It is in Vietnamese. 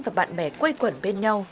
và bạn bè quây quẩn bên nhau